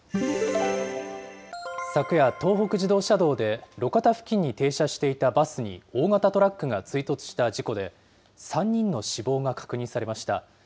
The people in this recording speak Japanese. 昨夜、東北自動車道で、路肩付近に停車していたバスに大型トラックが追突した事故で、３人の死亡が確認されました。